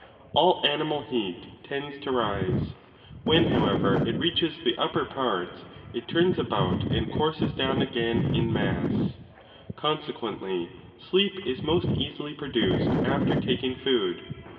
8 All animal heat tends to rise ; when, however, it reaches the upper parts, it turns about and courses down again Consequently, sleep is most easily produced 'ter taking food.